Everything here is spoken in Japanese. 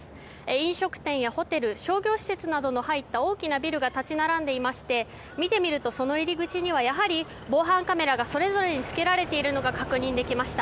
飲食店やホテル商業施設などの入った大きなビルが立ち並んでいまして見てみると、その入り口にはやはり防犯カメラがそれぞれにつけられているのが確認できました。